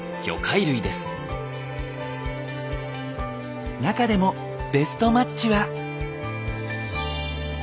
続いては中でもベストマッチは。